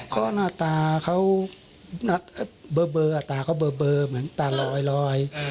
ก็หน้าตาเขาเบอร์เบอร์มีตาลอย